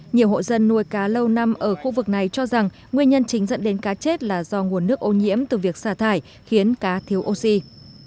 nhiều hộ dân nuôi cá lâu năm ở khu vực này cho rằng nguyên nhân chính dẫn đến cá chết là do nguồn nước ô nhiễm từ việc xả thải khiến cá thiếu oxy